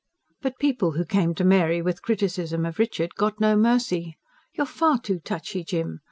But people who came to Mary with criticism of Richard got no mercy. "You're far too touchy, Jim.